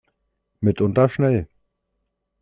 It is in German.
Mitunter schnell.